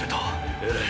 エレン！！